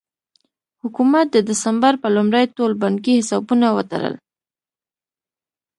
حکومت د ډسمبر په لومړۍ ټول بانکي حسابونه وتړل.